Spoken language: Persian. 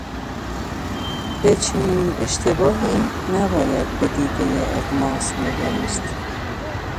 به چنین اشتباهی نباید بدیدهٔ اغماض نگریست.